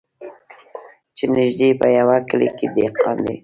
چي نیژدې په یوه کلي کي دهقان دی